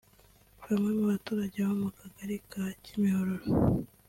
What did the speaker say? Bamwe mu baturage bo mu Kagari ka Kimihurura